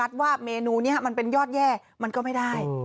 ว่าเมนูนี้มันเป็นยอดแย่มันก็ไม่ได้